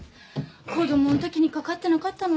子供んときにかかってなかったのね。